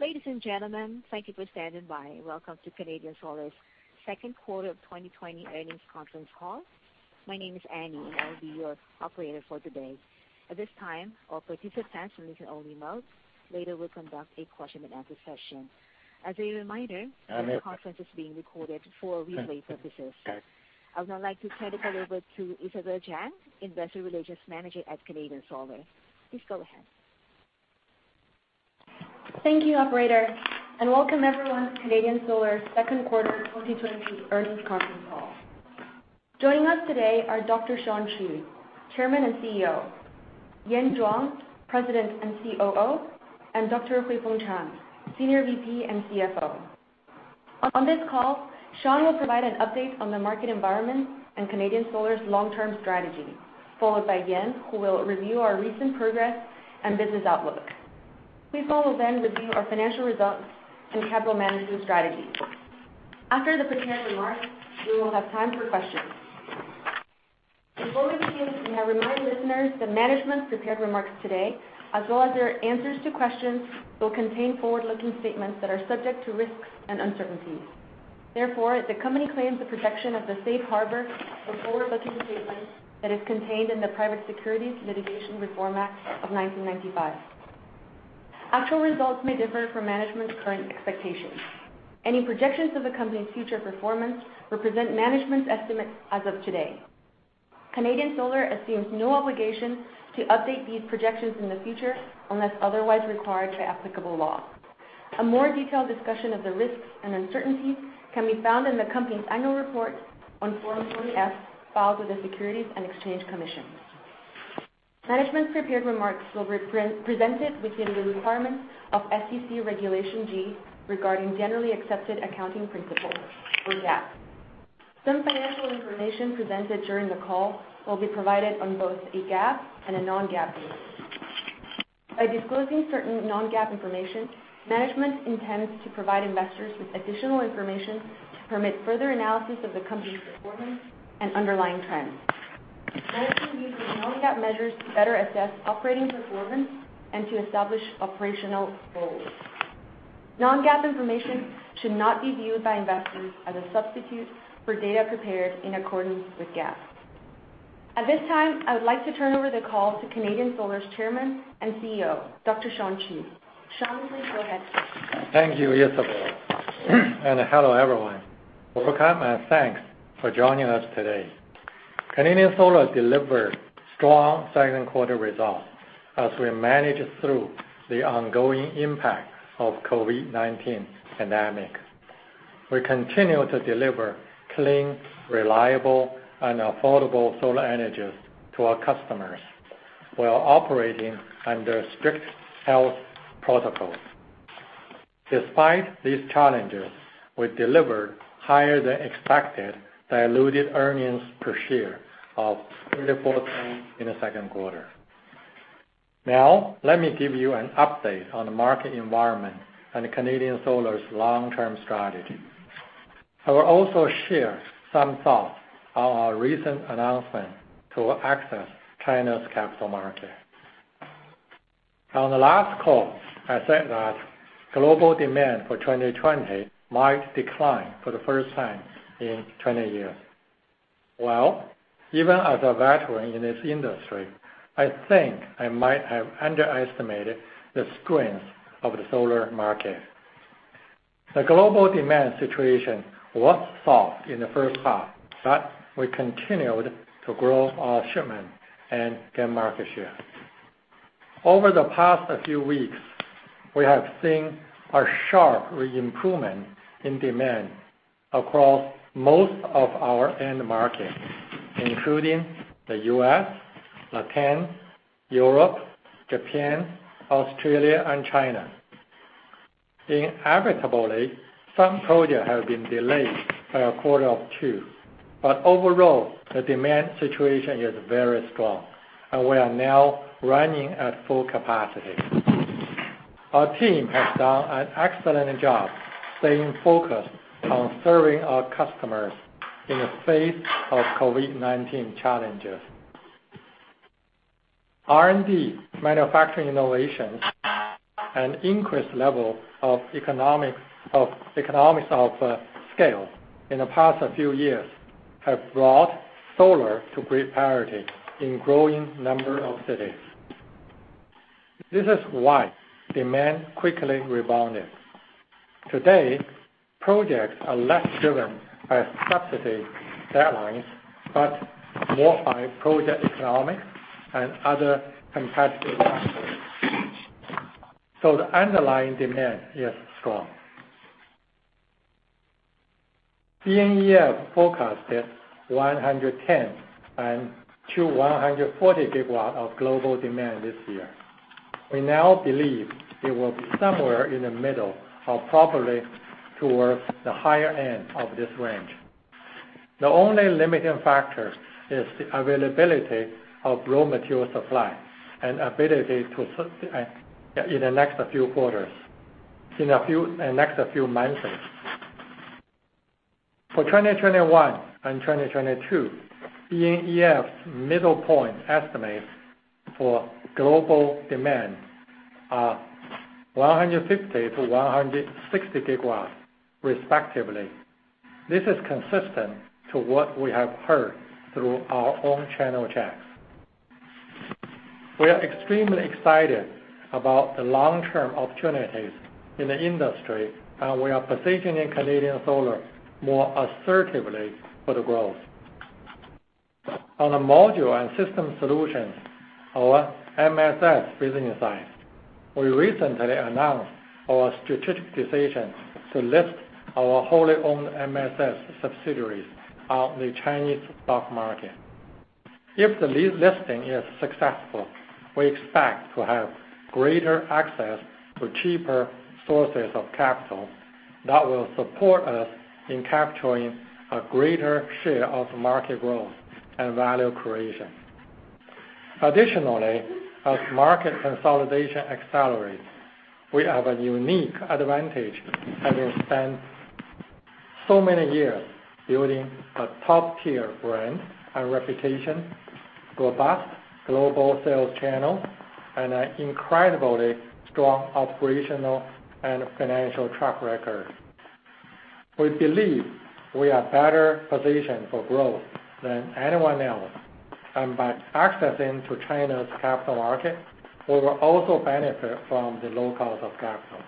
Ladies and gentlemen, thank you for standing by. Welcome to Canadian Solar's Second Quarter of 2020 Earnings Conference Ccall. My name is Annie, and I'll be your operator for today. At this time, all participants are in listen only mode. Later, we'll conduct a question and answer session. As a reminder, this conference is being recorded for replay purposes. I would now like to turn the call over to Isabel Zhang, Investor Relations Manager at Canadian Solar. Please go ahead. Thank you, Operator. Welcome, everyone, to Canadian Solar's Second Quarter 2020 Earnings Conference Call. Joining us today are Dr. Shawn Qu, Chairman and CEO; Yan Zhuang, President and COO; and Dr. Huifeng Chang, Senior VP and CFO. On this call, Shawn will provide an update on the market environment and Canadian Solar's long-term strategy, followed by Yan, who will review our recent progress and business outlook. Huifeng will then review our financial results and capital management strategy. After the prepared remarks, we will have time for questions. Before we begin, we have reminded listeners that management's prepared remarks today, as well as their answers to questions, will contain forward-looking statements that are subject to risks and uncertainties. Therefore, the company claims the protection of the safe harbor for forward-looking statements that is contained in the Private Securities Litigation Reform Act of 1995. Actual results may differ from management's current expectations. Any projections of the company's future performance represent management's estimates as of today. Canadian Solar assumes no obligation to update these projections in the future unless otherwise required by applicable law. A more detailed discussion of the risks and uncertainties can be found in the company's annual report on Form 20-F filed with the Securities and Exchange Commission. Management's prepared remarks will be presented within the requirements of SEC Regulation G regarding Generally Accepted Accounting Principles, or GAAP. Some financial information presented during the call will be provided on both a GAAP and a non-GAAP basis. By disclosing certain non-GAAP information, management intends to provide investors with additional information to permit further analysis of the company's performance and underlying trends. Management uses non-GAAP measures to better assess operating performance and to establish operational goals. Non-GAAP information should not be viewed by investors as a substitute for data prepared in accordance with GAAP. At this time, I would like to turn over the call to Canadian Solar's Chairman and CEO, Dr. Shawn Qu. Shawn, please go ahead. Thank you, Isabel. Hello, everyone. Welcome, and thanks for joining us today. Canadian Solar delivers strong second quarter results as we manage through the ongoing impact of the COVID-19 pandemic. We continue to deliver clean, reliable, and affordable solar energies to our customers while operating under strict health protocols. Despite these challenges, we delivered higher-than-expected diluted earnings per share of $0.34 in the second quarter. Now, let me give you an update on the market environment and Canadian Solar's long-term strategy. I will also share some thoughts on our recent announcement to access China's capital market. On the last call, I said that global demand for 2020 might decline for the first time in 20 years. Even as a veteran in this industry, I think I might have underestimated the strength of the solar market. The global demand situation was soft in the first half, but we continued to grow our shipment and gain market share. Over the past few weeks, we have seen a sharp improvement in demand across most of our end markets, including the U.S., Latin America, Europe, Japan, Australia, and China. Inevitably, some projects have been delayed by a quarter or two, but overall, the demand situation is very strong, and we are now running at full capacity. Our team has done an excellent job staying focused on serving our customers in the face of COVID-19 challenges. R&D, manufacturing innovations, and increased levels of economics of scale in the past few years have brought solar to grid parity in a growing number of cities. This is why demand quickly rebounded. Today, projects are less driven by subsidy deadlines but more by project economics and other competitive factors. The underlying demand is strong. BloombergNEF forecasted 110GW-240 GW global demand this year. We now believe it will be somewhere in the middle or probably towards the higher end of this range. The only limiting factor is the availability of raw material supply and ability to supply in the next few quarters, in the next few months. For 2021 and 2022, BloombergNEF's middle point estimates for global demand are 150 GW-160 GW, respectively. This is consistent to what we have heard through our own channel checks. We are extremely excited about the long-term opportunities in the industry, and we are positioning Canadian Solar more assertively for the growth. On the module and system solutions, our MSS business side, we recently announced our strategic decision to list our wholly owned MSS subsidiaries on the Chinese stock market. If the listing is successful, we expect to have greater access to cheaper sources of capital that will support us in capturing a greater share of market growth and value creation. Additionally, as market consolidation accelerates, we have a unique advantage having spent so many years building a top-tier brand and reputation, robust global sales channels, and an incredibly strong operational and financial track record. We believe we are better positioned for growth than anyone else, and by accessing to China's capital market, we will also benefit from the low cost of capital.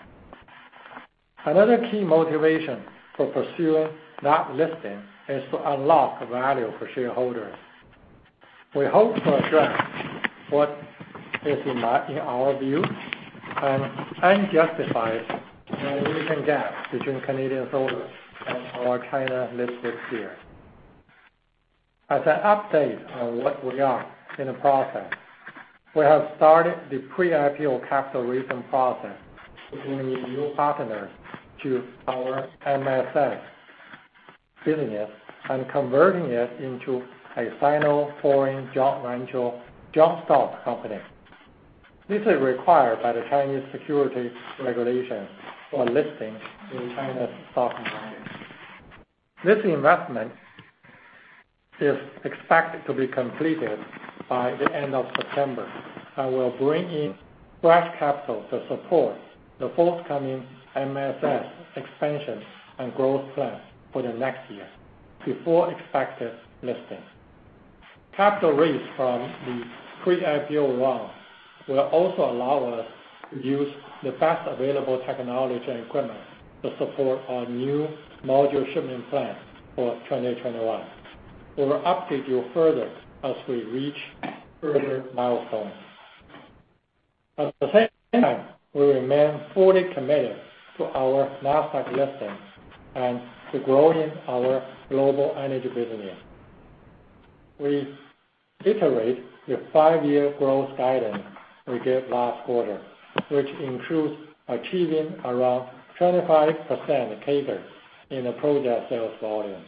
Another key motivation for pursuing that listing is to unlock value for shareholders. We hope to address what is, in our view, an unjustified relation gap between Canadian Solar and our China listed peer. As an update on what we are in the process, we have started the pre-IPO capital raising process, including new partners to our MSS business, and converting it into a sino-foreign joint venture, joint stock company. This is required by the Chinese securities regulations for listing in China's stock market. This investment is expected to be completed by the end of September and will bring in fresh capital to support the forthcoming MSS expansion and growth plan for the next year before expected listing. Capital raised from the pre-IPO round will also allow us to use the best available technology and equipment to support our new module shipment plan for 2021. We will update you further as we reach further milestones. At the same time, we remain fully committed to our Nasdaq listing and to growing our global energy business. We iterate with five-year growth guidance we gave last quarter, which includes achieving around 25% CAGR in the project sales volume.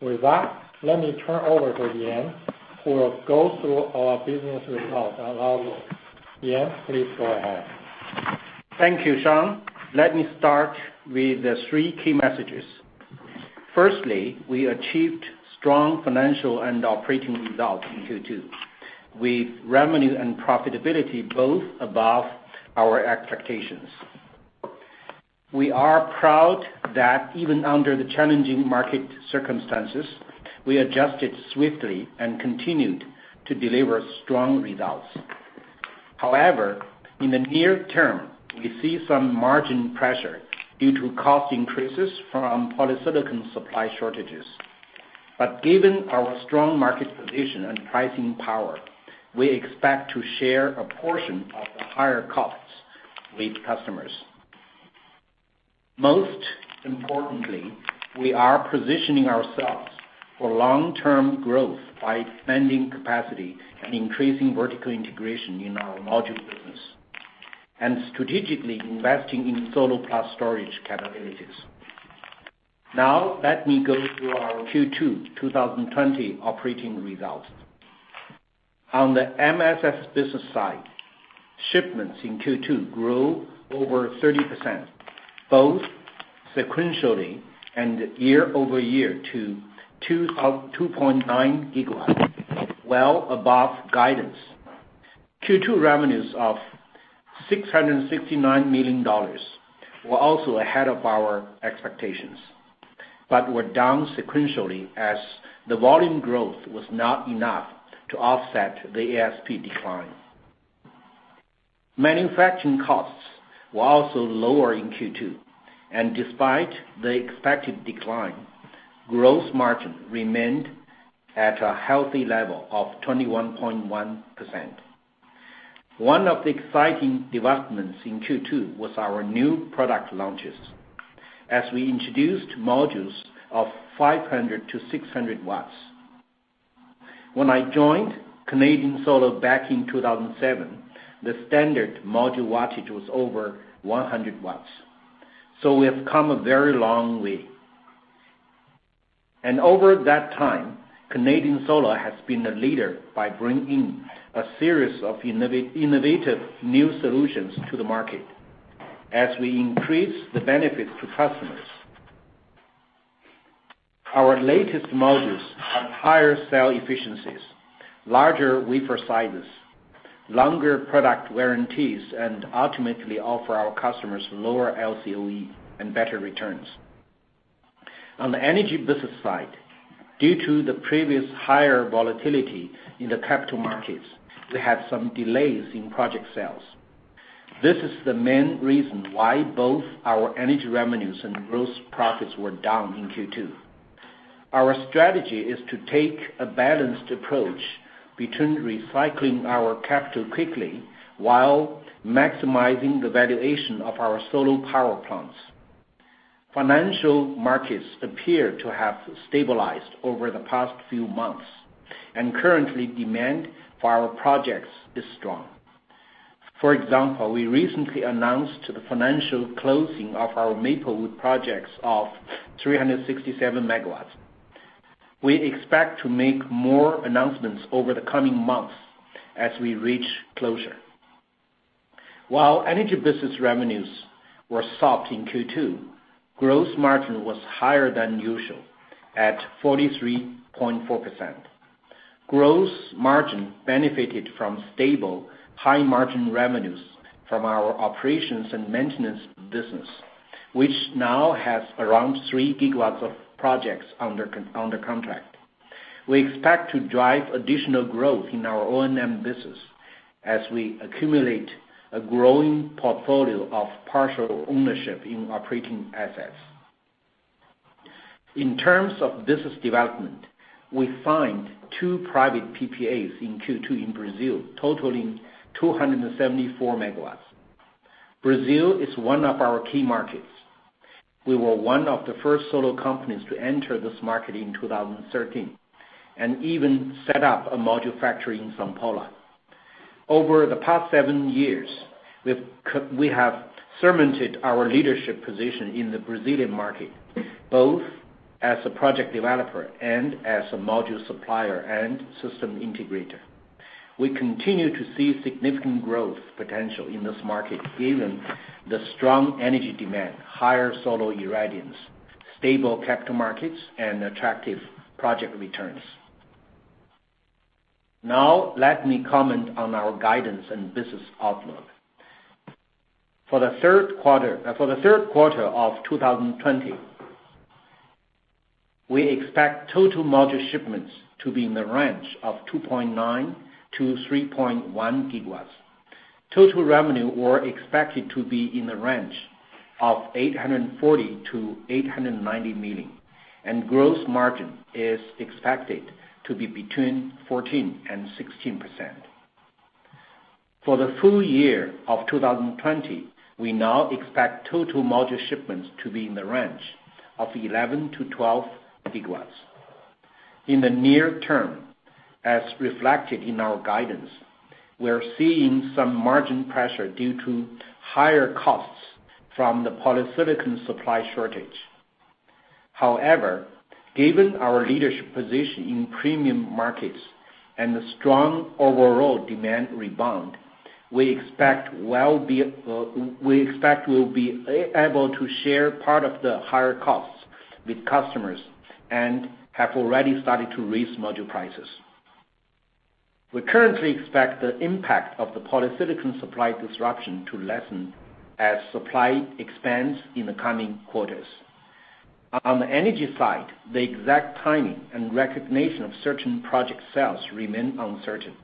With that, let me turn over to Yan, who will go through our business results and logbook. Yan, please go ahead. Thank you, Shawn. Let me start with the three key messages. Firstly, we achieved strong financial and operating results in Q2, with revenue and profitability both above our expectations. We are proud that even under the challenging market circumstances, we adjusted swiftly and continued to deliver strong results. However, in the near term, we see some margin pressure due to cost increases from polysilicon supply shortages. Given our strong market position and pricing power, we expect to share a portion of the higher costs with customers. Most importantly, we are positioning ourselves for long-term growth by expanding capacity and increasing vertical integration in our module business, and strategically investing in solar-plus storage capabilities. Now, let me go through our Q2 2020 operating results. On the MSS business side, shipments in Q2 grew over 30%, both sequentially and year-over-year to 2.9 GW, well above guidance. Q2 revenues of $669 million were also ahead of our expectations, but were down sequentially as the volume growth was not enough to offset the ASP decline. Manufacturing costs were also lower in Q2, and despite the expected decline, gross margin remained at a healthy level of 21.1%. One of the exciting developments in Q2 was our new product launches as we introduced modules of 500 W-600 W. When I joined Canadian Solar back in 2007, the standard module wattage was over 100 W. We have come a very long way. Over that time, Canadian Solar has been a leader by bringing a series of innovative new solutions to the market as we increase the benefits to customers. Our latest modules have higher cell efficiencies, larger wafer sizes, longer product warranties, and ultimately offer our customers lower LCOE and better returns. On the energy business side, due to the previous higher volatility in the capital markets, we had some delays in project sales. This is the main reason why both our energy revenues and gross profits were down in Q2. Our strategy is to take a balanced approach between recycling our capital quickly while maximizing the valuation of our solar power plants. Financial markets appear to have stabilized over the past few months, and currently, demand for our projects is strong. For example, we recently announced the financial closing of our Maplewood projects of 367 MW. We expect to make more announcements over the coming months as we reach closure. While energy business revenues were soft in Q2, gross margin was higher than usual at 43.4%. Gross margin benefited from stable high-margin revenues from our operations and maintenance business, which now has around 3 GW of projects under contract. We expect to drive additional growth in our O&M business as we accumulate a growing portfolio of partial ownership in operating assets. In terms of business development, we signed two private PPAs in Q2 in Brazil, totaling 274 MW. Brazil is one of our key markets. We were one of the first solar companies to enter this market in 2013 and even set up a module factory in São Paulo. Over the past seven years, we have cemented our leadership position in the Brazilian market, both as a project developer and as a module supplier and system integrator. We continue to see significant growth potential in this market, given the strong energy demand, higher solar irradiance, stable capital markets, and attractive project returns. Now, let me comment on our guidance and business outlook. For the third quarter of 2020, we expect total module shipments to be in the range of 2.9 GW-3.1 GW. Total revenue were expected to be in the range of $840 million-$890 million, and gross margin is expected to be between 14 and16%. For the full year of 2020, we now expect total module shipments to be in the range of 11 GW-12 GW. In the near term, as reflected in our guidance, we are seeing some margin pressure due to higher costs from the polysilicon supply shortage. However, given our leadership position in premium markets and the strong overall demand rebound, we expect we will be able to share part of the higher costs with customers and have already started to raise module prices. We currently expect the impact of the polysilicon supply disruption to lessen as supply expands in the coming quarters. On the energy side, the exact timing and recognition of certain project sales remain uncertain.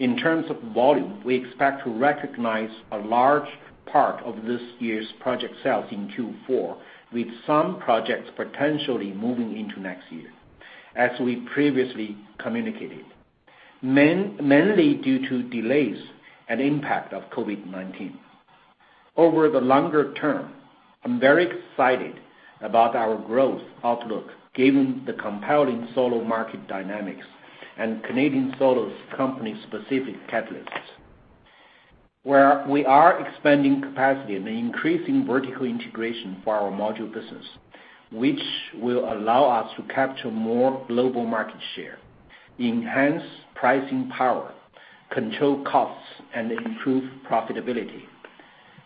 In terms of volume, we expect to recognize a large part of this year's project sales in Q4, with some projects potentially moving into next year, as we previously communicated, mainly due to delays and impact of COVID-19. Over the longer term, I'm very excited about our growth outlook given the compelling solar market dynamics and Canadian Solar's company-specific catalysts. We are expanding capacity and increasing vertical integration for our module business, which will allow us to capture more global market share, enhance pricing power, control costs, and improve profitability.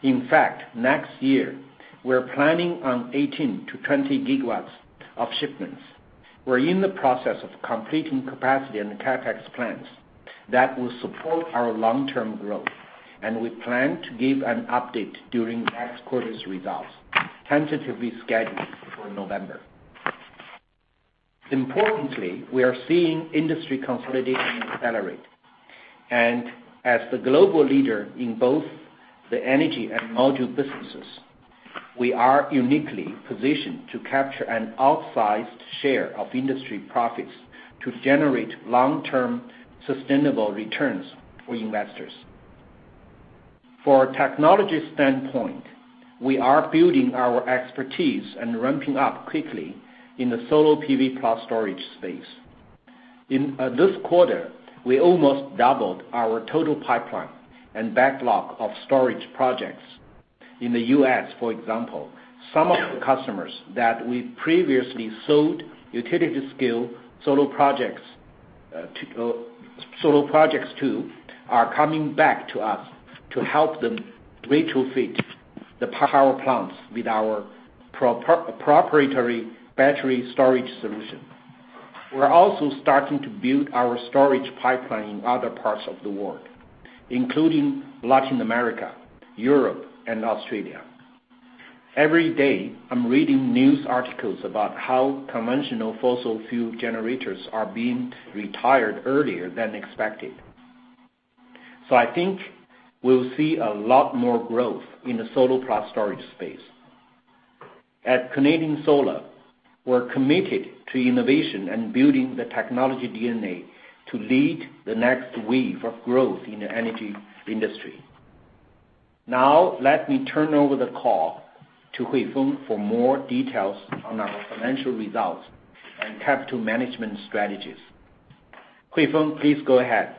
In fact, next year, we're planning on 18 GW-20 GW of shipments. We're in the process of completing capacity and CapEx plans that will support our long-term growth, and we plan to give an update during next quarter's results, tentatively scheduled for November. Importantly, we are seeing industry consolidation accelerate, and as the global leader in both the energy and module businesses, we are uniquely positioned to capture an outsized share of industry profits to generate long-term sustainable returns for investors. From a technology standpoint, we are building our expertise and ramping up quickly in the solar PV-plus storage space. In this quarter, we almost doubled our total pipeline and backlog of storage projects. In the U.S., for example, some of the customers that we previously sold utility-scale solar projects to are coming back to us to help them retrofit the power plants with our proprietary battery storage solution. We're also starting to build our storage pipeline in other parts of the world, including Latin America, Europe, and Australia. Every day, I'm reading news articles about how conventional fossil fuel generators are being retired earlier than expected. I think we'll see a lot more growth in the solar-plus storage space. At Canadian Solar, we're committed to innovation and building the technology DNA to lead the next wave of growth in the energy industry. Now, let me turn over the call to Huifeng for more details on our financial results and capital management strategies. Huifeng, please go ahead.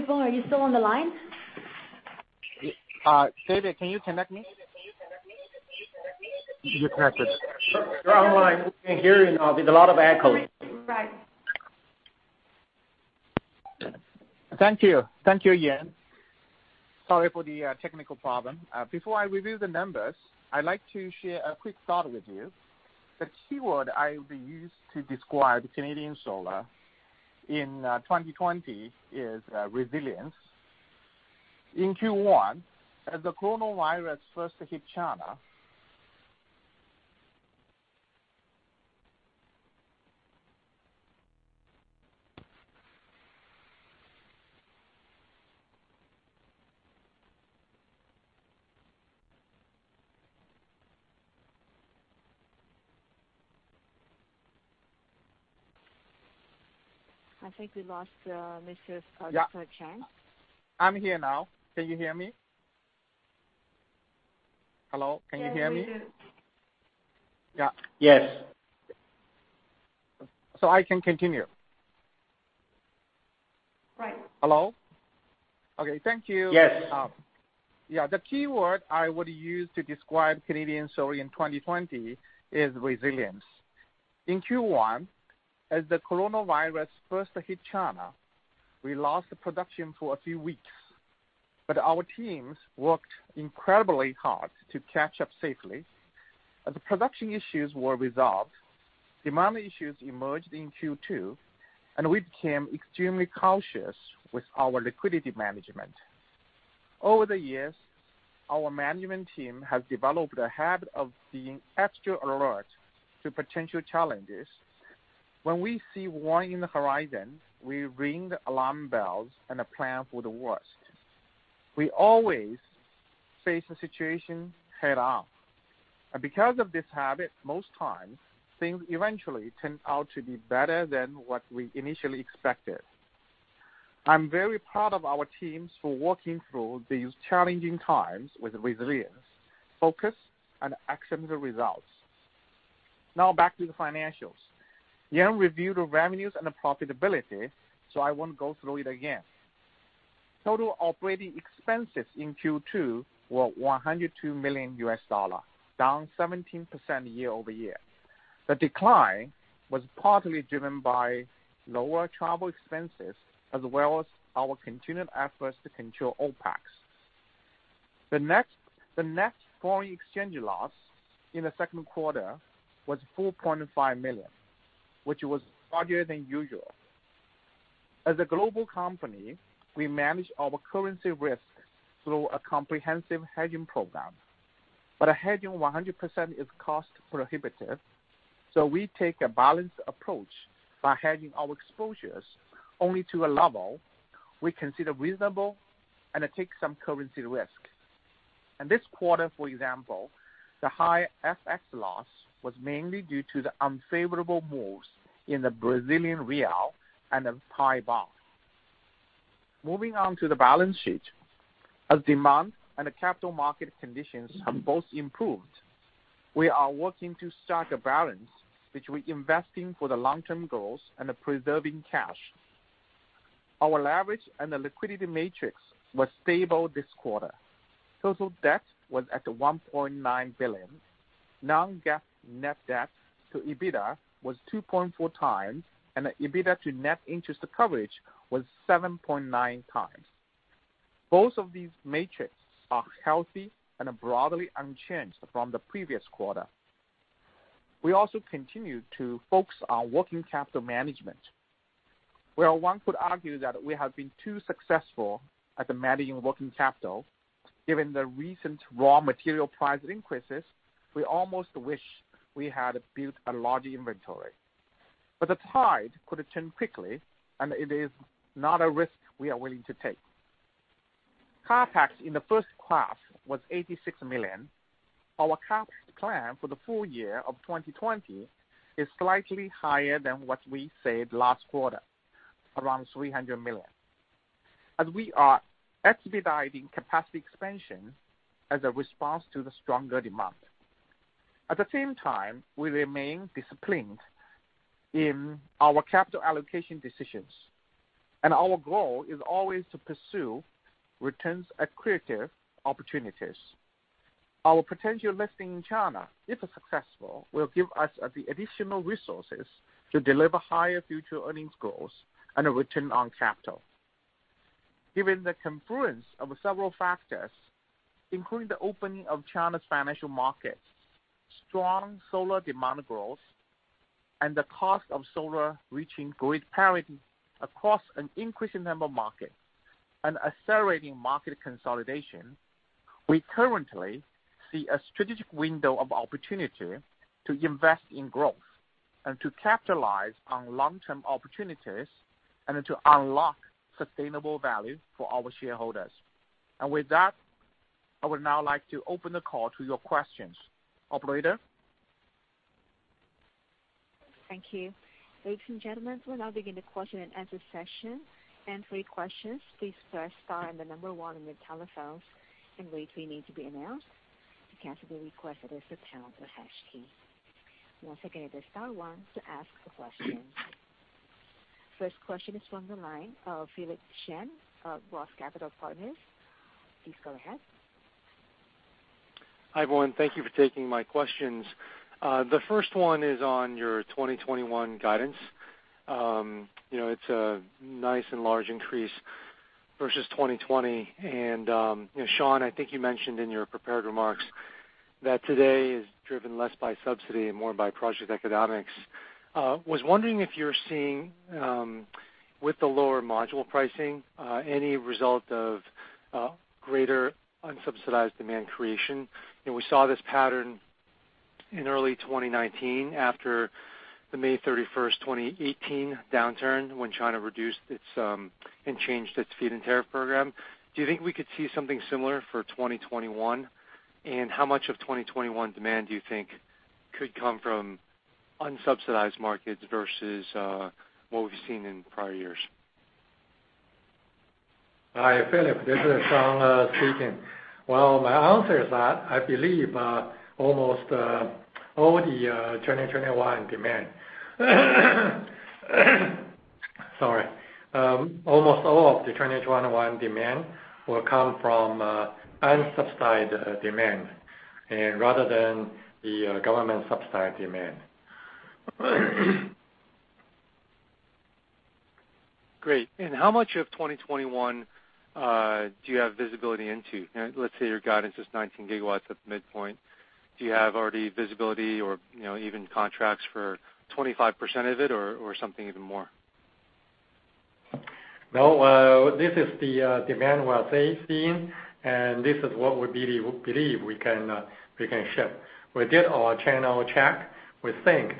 Huifeng. Huifeng, are you still on the line? David, can you connect me? You connected. You're on the line. We can hear you now. There's a lot of echo. Right. Thank you. Thank you, Yan. Sorry for the technical problem. Before I reveal the numbers, I'd like to share a quick thought with you. The keyword I will use to describe Canadian Solar in 2020 is resilience. In Q1, as the coronavirus first hit China. I think we lost Mrs. Chang. Yeah. I'm here now. Can you hear me? Hello? Can you hear me? Yes. Yeah. Yes. So, I can continue? Right. Hello? Okay. Thank you. Yes. Yeah. The keyword I would use to describe Canadian Solar in 2020 is resilience. In Q1, as the coronavirus first hit China, we lost production for a few weeks. Our teams worked incredibly hard to catch up safely. As production issues were resolved, demand issues emerged in Q2, and we became extremely cautious with our liquidity management. Over the years, our management team has developed a habit of being extra alert to potential challenges. When we see one on the horizon, we ring the alarm bells and plan for the worst. We always face the situation head-on. Because of this habit, most times, things eventually turn out to be better than what we initially expected. I'm very proud of our teams for working through these challenging times with resilience, focus, and actionable results. Now, back to the financials. Yan reviewed the revenues and the profitability, so I won't go through it again. Total operating expenses in Q2 were $102 million, down 17% year-over-year. The decline was partly driven by lower travel expenses as well as our continued efforts to control OpEx. The net foreign exchange loss in the second quarter was $4.5 million, which was larger than usual. As a global company, we manage our currency risk through a comprehensive hedging program. A hedging 100% is cost-prohibitive, so we take a balanced approach by hedging our exposures only to a level we consider reasonable and take some currency risk. In this quarter, for example, the high FX loss was mainly due to the unfavorable moves in the Brazilian real and the Thai baht. Moving on to the balance sheet, as demand and the capital market conditions have both improved, we are working to strike a balance between investing for the long-term goals and preserving cash. Our leverage and the liquidity matrix were stable this quarter. Total debt was at $1.9 billion. Non-GAAP net debt to EBITDA was 2.4 times, and the EBITDA to net interest coverage was 7.9 times. Both of these matrices are healthy and broadly unchanged from the previous quarter. We also continue to focus on working capital management. Where one could argue that we have been too successful at managing working capital, given the recent raw material price increases, we almost wish we had built a larger inventory. The tide could turn quickly, and it is not a risk we are willing to take. CapEx in the first quarter was $86 million. Our CapEx plan for the full year of 2020 is slightly higher than what we said last quarter, around $300 million, as we are expediting capacity expansion as a response to the stronger demand. At the same time, we remain disciplined in our capital allocation decisions, and our goal is always to pursue returns-accretive opportunities. Our potential listing in China, if successful, will give us the additional resources to deliver higher future earnings goals and a return on capital. Given the confluence of several factors, including the opening of China's financial markets, strong solar demand growth, and the cost of solar reaching grid parity across an increasing number of markets, and accelerating market consolidation, we currently see a strategic window of opportunity to invest in growth and to capitalize on long-term opportunities and to unlock sustainable value for our shareholders. With that, I would now like to open the call to your questions. Operator. Thank you. Ladies and gentlemen, we will now begin the question and answer session. For your questions, please press star and the number 1 on your telephones and wait for your name to be announced. You can also request it as a pound or hash key. Once again, it is star 1 to ask the question. First question is from the line of Philip Shen of Roth Capital. Please go ahead. Hi, everyone. Thank you for taking my questions. The first one is on your 2021 guidance. It's a nice and large increase versus 2020. Shawn, I think you mentioned in your prepared remarks that today is driven less by subsidy and more by project economics. I was wondering if you're seeing, with the lower module pricing, any result of greater unsubsidized demand creation. We saw this pattern in early 2019 after the May 31st, 2018 downturn when China reduced its and changed its feed and tariff program. Do you think we could see something similar for 2021? How much of 2021 demand do you think could come from unsubsidized markets versus what we've seen in prior years? Hi, Philip. This is Shawn speaking. My answer is that I believe almost all the 2021 demand—sorry. Almost all of the 2021 demand will come from unsubsidized demand rather than the government-subsidized demand. Great. How much of 2021 do you have visibility into? Let's say your guidance is 19 GW at the midpoint. Do you have already visibility or even contracts for 25% of it or something even more? No. This is the demand we're facing, and this is what we believe we can ship. We did our channel check. We think,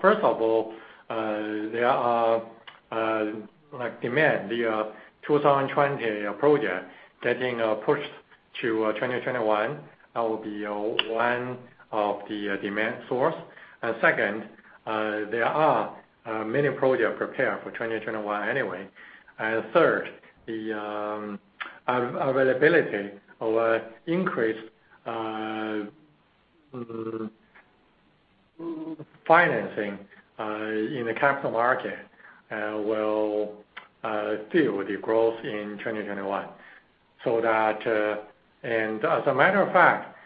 first of all, there are demands. The 2020 project getting pushed to 2021, that will be one of the demand sources. Second, there are many projects prepared for 2021 anyway. Third, the availability of increased financing in the capital market will fuel the growth in 2021. As a matter of fact,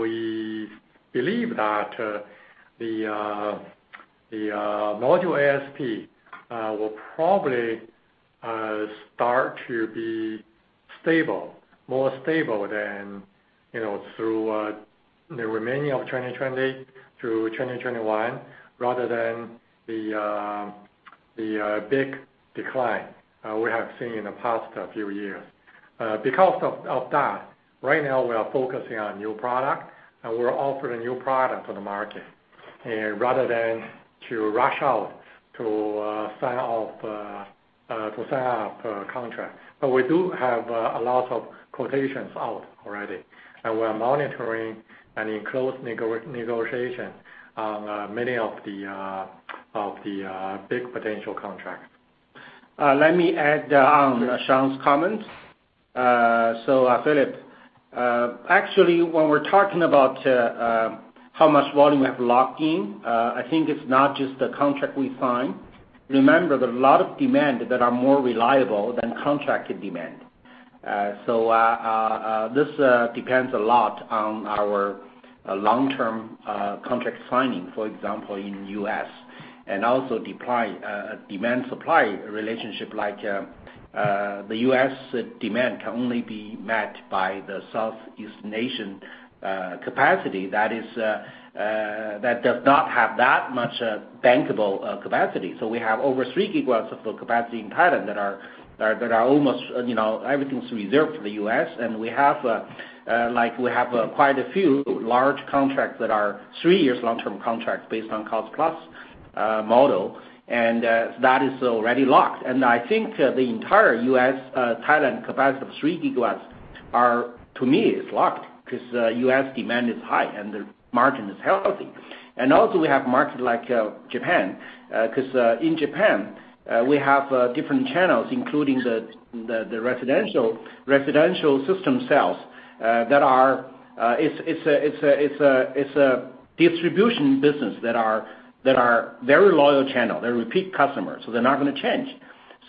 we believe that the module ASP will probably start to be stable, more stable than through the remaining of 2020 through 2021, rather than the big decline we have seen in the past few years. Because of that, right now, we are focusing on new products, and we're offering new products to the market rather than to rush out to sign off contracts. We do have a lot of quotations out already, and we're monitoring and in close negotiation on many of the big potential contracts. Let me add on Shawn's comments. Philip, actually, when we're talking about how much volume we have locked in, I think it's not just the contract we sign. Remember, there are a lot of demands that are more reliable than contracted demand. This depends a lot on our long-term contract signing, for example, in the U.S., and also demand-supply relationship. The U.S. demand can only be met by the Southeast Asian capacity that does not have that much bankable capacity. We have over 3 GW of capacity in Thailand that are almost everything's reserved for the U.S. We have quite a few large contracts that are three-year long-term contracts based on cost-plus model. That is already locked. I think the entire U.S.-Thailand capacity of 3 GW, to me, is locked because U.S. demand is high and the margin is healthy. We have markets like Japan because in Japan, we have different channels, including the residential system sales that are a distribution business that are very loyal channels. They are repeat customers, so they are not going to change.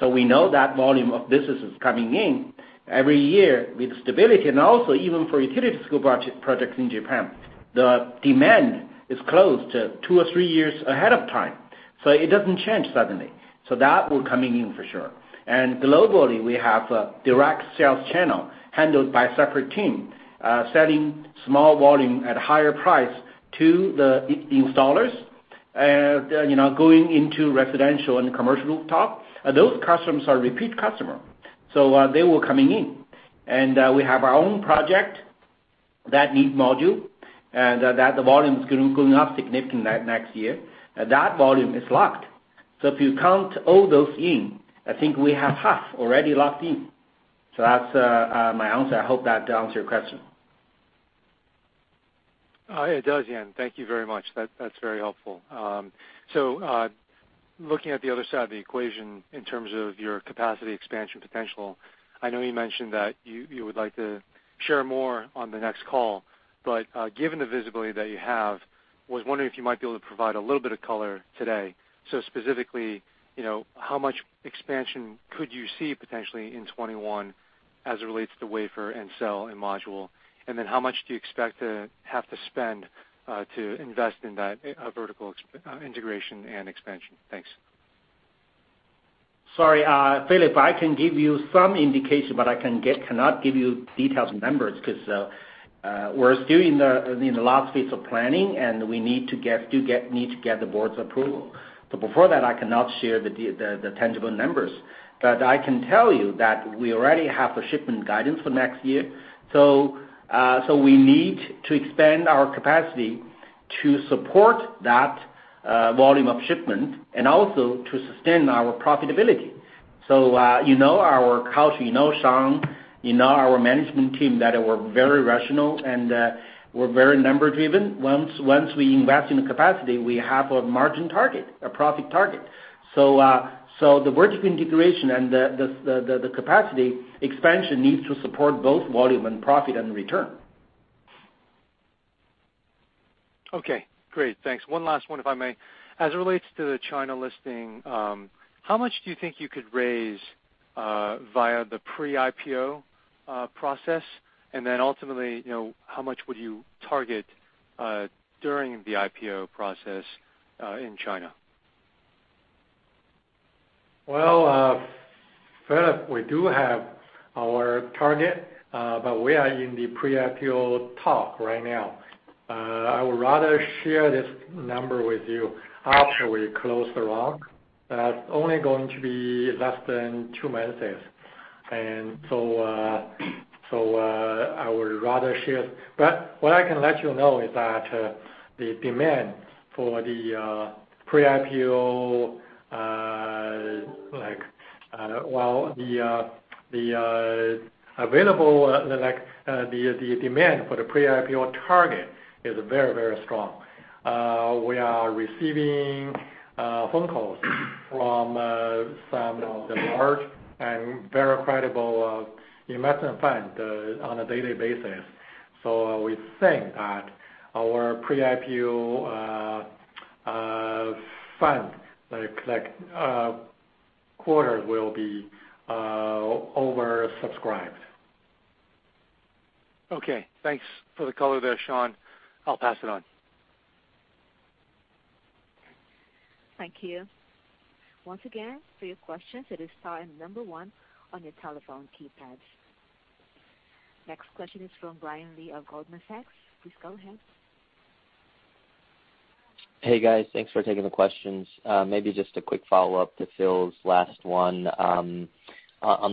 We know that volume of business is coming in every year with stability. Even for utility-scale projects in Japan, the demand is close to two or three years ahead of time. It does not change suddenly. That will be coming in for sure. Globally, we have a direct sales channel handled by a separate team, selling small volume at a higher price to the installers going into residential and commercial rooftop. Those customers are repeat customers, so they will be coming in. We have our own project that needs modules, and that volume is going up significantly next year. That volume is locked. If you count all those in, I think we have half already locked in. That's my answer. I hope that answers your question. It does, Yan. Thank you very much. That's very helpful. Looking at the other side of the equation in terms of your capacity expansion potential, I know you mentioned that you would like to share more on the next call. Given the visibility that you have, I was wondering if you might be able to provide a little bit of color today. Specifically, how much expansion could you see potentially in 2021 as it relates to wafer and cell and module? How much do you expect to have to spend to invest in that vertical integration and expansion? Thanks. Sorry, Philip, I can give you some indication, but I cannot give you detailed numbers because we're still in the last phase of planning, and we need to get the board's approval. Before that, I cannot share the tangible numbers. I can tell you that we already have the shipment guidance for next year. We need to expand our capacity to support that volume of shipment and also to sustain our profitability. You know our culture. You know Shawn. You know our management team that we're very rational and we're very number-driven. Once we invest in the capacity, we have a margin target, a profit target. The vertical integration and the capacity expansion need to support both volume and profit and return. Okay. Great. Thanks. One last one, if I may. As it relates to the China listing, how much do you think you could raise via the pre-IPO process? Then ultimately, how much would you target during the IPO process in China? Philip, we do have our target, but we are in the pre-IPO talk right now. I would rather share this number with you after we close the round. That is only going to be less than two months. I would rather share it. What I can let you know is that the demand for the pre-IPO, the available demand for the pre-IPO target is very, very strong. We are receiving phone calls from some of the large and very credible investment funds on a daily basis. We think that our pre-IPO fund quarter will be oversubscribed. Okay. Thanks for the color there, Shawn. I'll pass it on. Thank you. Once again, for your questions, it is star number 1 on your telephone keypads. Next question is from Brian Lee of Goldman Sachs. Please go ahead. Hey, guys. Thanks for taking the questions. Maybe just a quick follow-up to Phil's last one on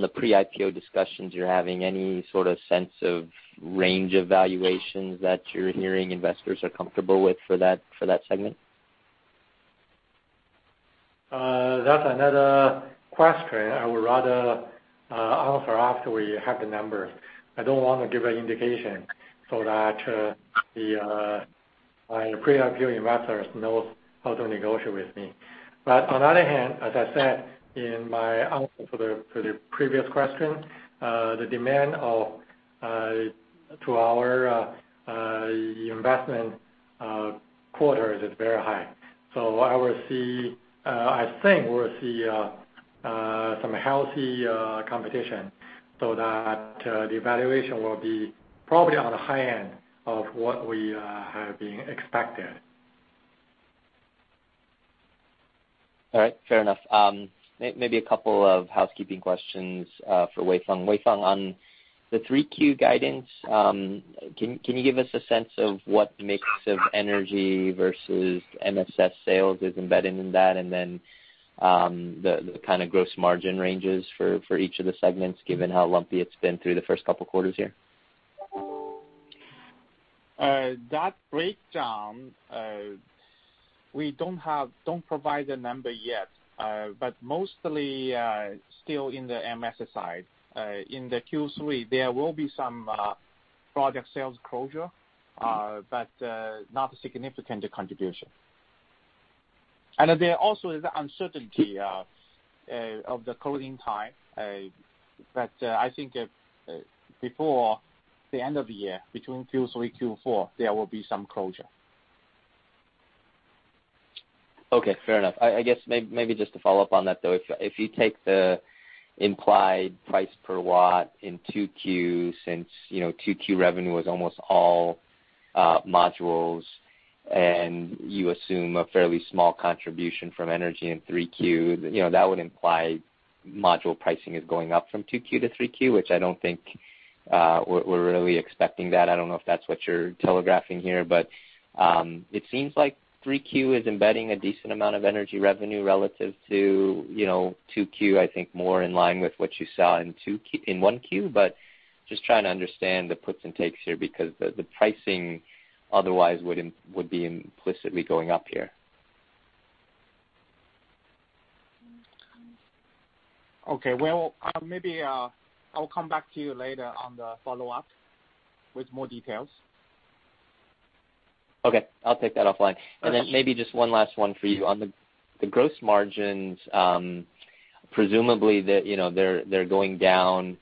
the pre-IPO discussions you're having. Any sort of sense of range of valuations that you're hearing investors are comfortable with for that segment? That's another question I would rather answer after we have the numbers. I don't want to give an indication so that my pre-IPO investors know how to negotiate with me. As I said in my answer to the previous question, the demand to our investment quarters is very high. I think we'll see some healthy competition so that the valuation will be probably on the high end of what we have been expected. All right. Fair enough. Maybe a couple of housekeeping questions for Huifeng. Huifeng, on the 3Q guidance, can you give us a sense of what mix of energy versus MSS sales is embedded in that? And then the kind of gross margin ranges for each of the segments given how lumpy it's been through the first couple of quarters here? That breakdown, we do not provide the number yet, but mostly still in the MSS side. In Q3, there will be some product sales closure, but not a significant contribution. There also is uncertainty of the closing time. I think before the end of the year, between Q3 and Q4, there will be some closure. Okay. Fair enough. I guess maybe just to follow up on that, though, if you take the implied price per watt in 2Q since 2Q revenue was almost all modules and you assume a fairly small contribution from energy in 3Q, that would imply module pricing is going up from 2Q-3Q, which I do not think we are really expecting that. I do not know if that is what you are telegraphing here. It seems like 3Q is embedding a decent amount of energy revenue relative to 2Q, I think more in line with what you saw in 1Q. Just trying to understand the puts and takes here because the pricing otherwise would be implicitly going up here. Okay. Maybe I'll come back to you later on the follow-up with more details. Okay. I'll take that offline. Maybe just one last one for you. On the gross margins, presumably they're going down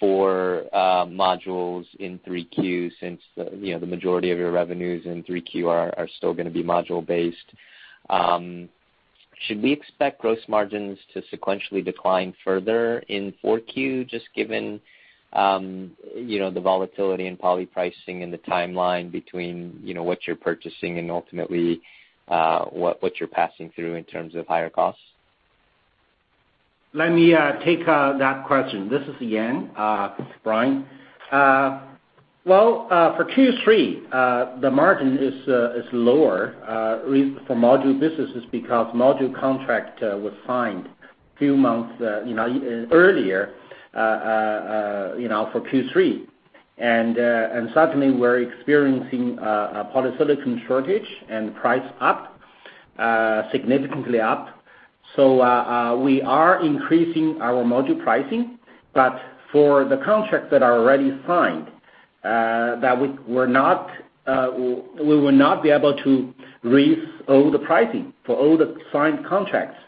for modules in Q3 since the majority of your revenues in Q3 are still going to be module-based. Should we expect gross margins to sequentially decline further in Q4 just given the volatility in poly pricing and the timeline between what you're purchasing and ultimately what you're passing through in terms of higher costs? Let me take that question. This is Yan, Brian. For Q3, the margin is lower for module businesses because module contract was signed a few months earlier for Q3. Suddenly, we're experiencing a polysilicon shortage and price up, significantly up. We are increasing our module pricing, but for the contracts that are already signed, we will not be able to raise all the pricing for all the signed contracts.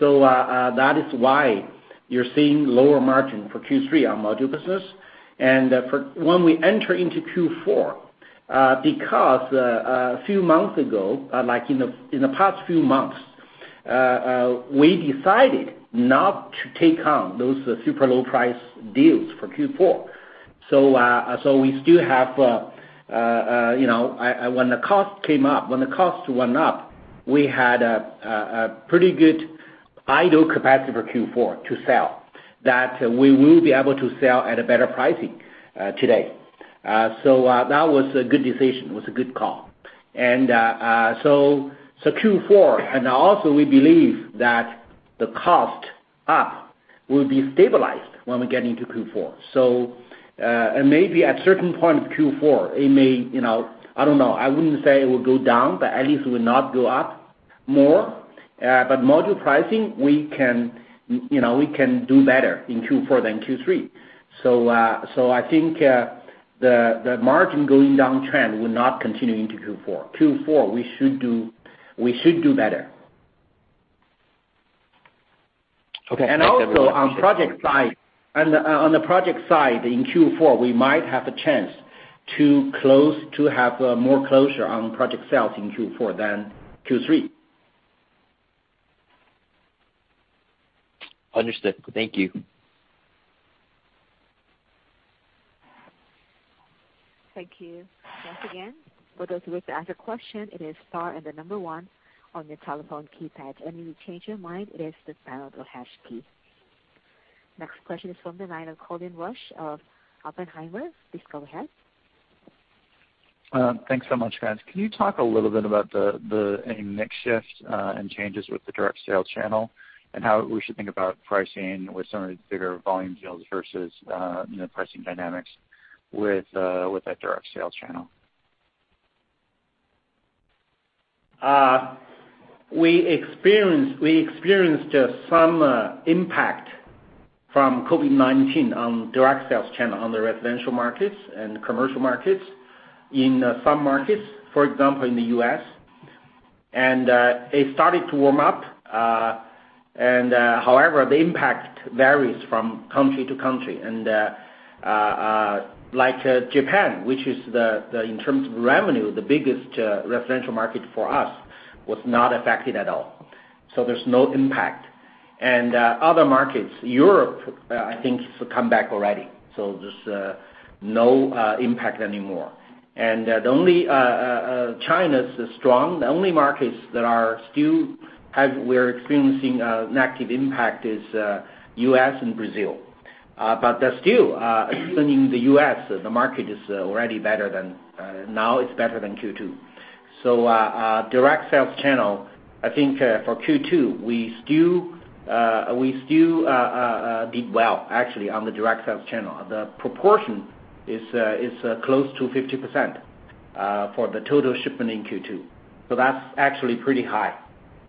That is why you're seeing lower margin for Q3 on module business. When we enter into Q4, because a few months ago, in the past few months, we decided not to take on those super low-price deals for Q4. We still have when the cost came up, when the cost went up, we had a pretty good idle capacity for Q4 to sell that we will be able to sell at a better pricing today. That was a good decision. It was a good call. Q4, and also we believe that the cost up will be stabilized when we get into Q4. Maybe at a certain point of Q4, it may—I do not know. I would not say it will go down, but at least it will not go up more. Module pricing, we can do better in Q4 than Q3. I think the margin going down trend will not continue into Q4. Q4, we should do better. Okay. That's everything. On the project side in Q4, we might have a chance to have more closure on project sales in Q4 than Q3. Understood. Thank you. Thank you. Once again, for those who wish to ask a question, it is star and the number 1 on your telephone keypad. If you change your mind, it is the star or the hash key. Next question is from the line of Colin Rusch of Oppenheimer. Please go ahead. Thanks so much, guys. Can you talk a little bit about the next shift and changes with the direct sales channel and how we should think about pricing with some of the bigger volume deals versus pricing dynamics with that direct sales channel? We experienced some impact from COVID-19 on direct sales channel on the residential markets and commercial markets in some markets, for example, in the U.S. It started to warm up. However, the impact varies from country to country. Like Japan, which is, in terms of revenue, the biggest residential market for us, was not affected at all. There is no impact. Other markets, Europe, I think, has come back already. There is no impact anymore. China is strong. The only markets that are still where we're experiencing an active impact are the U.S. and Brazil. Still, even in the U.S., the market is already better now. It is better than Q2. Direct sales channel, I think for Q2, we still did well, actually, on the direct sales channel. The proportion is close to 50% for the total shipment in Q2. That is actually pretty high.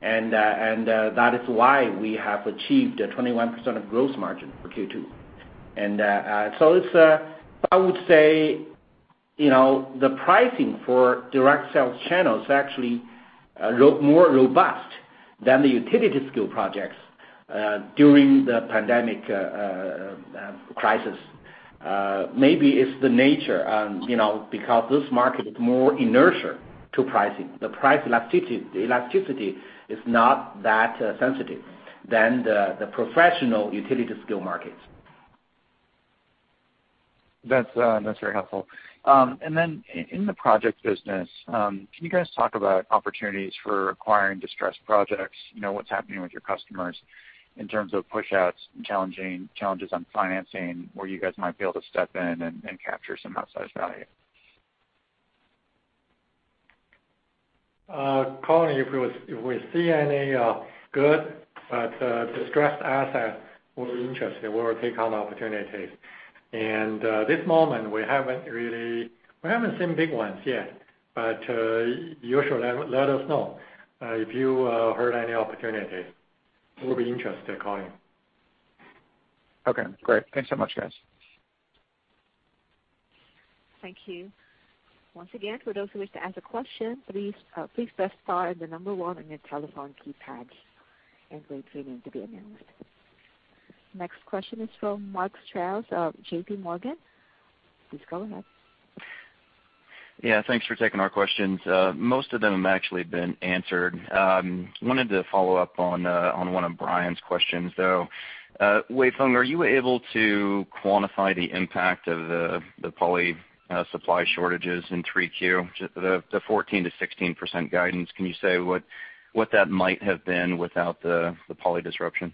That is why we have achieved 21% of gross margin for Q2. I would say the pricing for direct sales channel is actually more robust than the utility-scale projects during the pandemic crisis. Maybe it is the nature because this market is more inertia to pricing. The price elasticity is not that sensitive than the professional utility-scale markets. That's very helpful. In the project business, can you guys talk about opportunities for acquiring distressed projects? What's happening with your customers in terms of push-outs and challenges on financing where you guys might be able to step in and capture some outsized value? Colin, if we see any good distressed asset, we'll be interested. We will take on opportunities. At this moment, we haven't seen big ones yet. You should let us know if you heard any opportunities. We'll be interested, Colin. Okay. Great. Thanks so much, guys. Thank you. Once again, for those who wish to ask a question, please press star and the number one on your telephone keypad. Wait for your name to be announced. Next question is from Mark Strouse of JPMorgan. Please go ahead. Yeah. Thanks for taking our questions. Most of them have actually been answered. Wanted to follow up on one of Brian's questions, though. Wei Feng, are you able to quantify the impact of the poly supply shortages in Q3, the 14%-16% guidance? Can you say what that might have been without the poly disruption?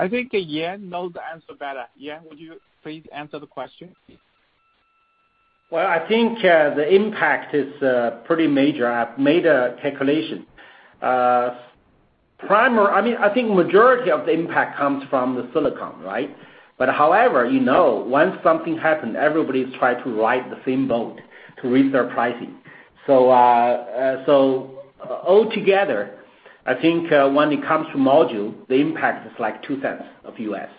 I think Yan knows the answer better. Yan, would you please answer the question? I think the impact is pretty major. I've made a calculation. I mean, I think the majority of the impact comes from the silicon, right? However, once something happens, everybody's trying to ride the same boat to raise their pricing. Altogether, I think when it comes to module, the impact is like $0.02.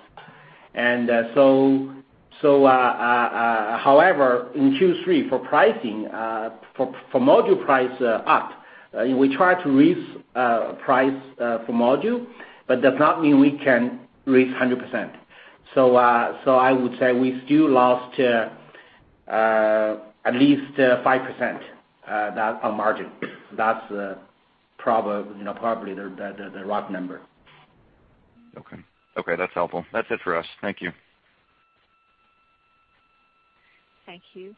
However, in Q3, for pricing, for module price up, we try to raise price for module, but that does not mean we can raise 100%. I would say we still lost at least 5% on margin. That's probably the rough number. Okay. Okay. That's helpful. That's it for us. Thank you. Thank you.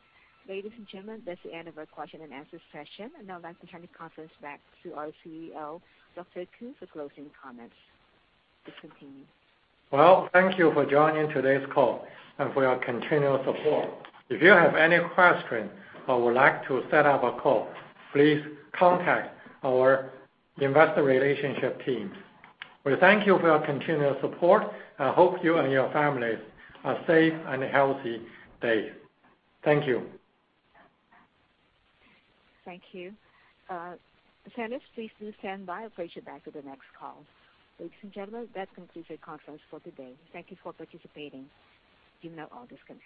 Ladies and gentlemen, that's the end of our question and answer session. Now I'd like to turn the conference back to our CEO, Dr. Qu, for closing comments. Discontinue. Thank you for joining today's call and for your continual support. If you have any questions or would like to set up a call, please contact our investor relationship team. We thank you for your continual support. I hope you and your families have a safe and healthy day. Thank you. Thank you. Felix, please do stand by. I'll put you back to the next call. Ladies and gentlemen, that concludes our conference for today. Thank you for participating. You may all disconnect.